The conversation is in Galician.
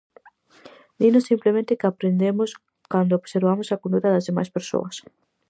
Dinos simplemente que aprendemos cando observamos a conduta das demais persoas.